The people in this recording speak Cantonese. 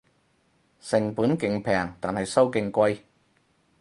成本勁平但係收勁貴